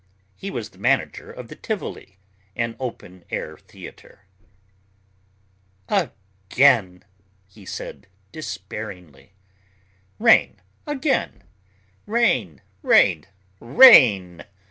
He was the manager of the Tivoli, an open air theatre. "Again," he said despairingly. "Rain again. Rain, rain, rain!